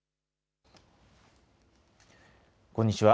こんにちは。